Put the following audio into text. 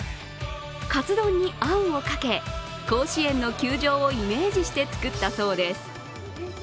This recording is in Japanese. かつ丼にあんをかけ、甲子園の球場をイメージして作ったそうです。